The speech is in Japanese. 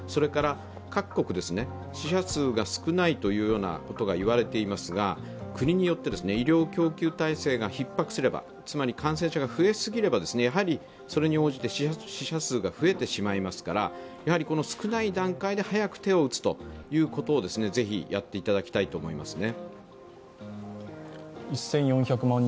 各国で死者数が少ないと言われていますが、国によって、医療供給体制がひっ迫すればつまり感染者が増えすぎれば、それに応じて死者数が増えてしまいますから、少ない段階で早く手を打つということをぜひやっていただきたいと思いますね。